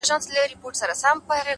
ژور فکر تېروتنې کموي؛